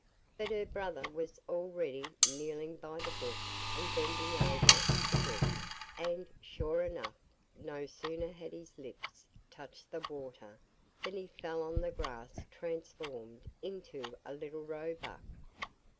But her brother was already kneeling by the brook and bending over it to drink, and, sure enough, no sooner had his lips touched the water than he fell on the grass transformed into a little Roebuck.